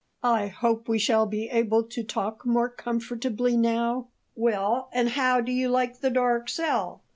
"I hope we shall be able to talk more comfortably now. Well, and how do you like the dark cell?